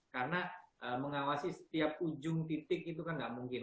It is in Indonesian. karena mengawasi setiap ujung titik itu kan tidak mungkin